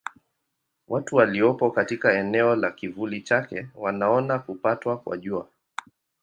Watu waliopo katika eneo la kivuli chake wanaona kupatwa kwa Jua.